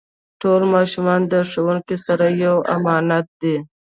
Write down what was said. ټول ماشومان د ښوونکو سره یو امانت دی.